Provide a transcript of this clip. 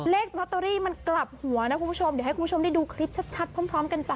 ลอตเตอรี่มันกลับหัวนะคุณผู้ชมเดี๋ยวให้คุณผู้ชมได้ดูคลิปชัดพร้อมกันจ้